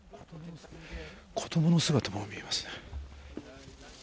子どもの姿も見えます。